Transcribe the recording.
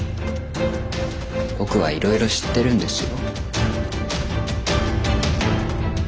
僕はいろいろ知ってるんですよ。